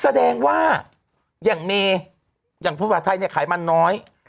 แสดงว่าอย่างเมย์อย่างภูมิภาษาไทยเนี่ยไขมันน้อย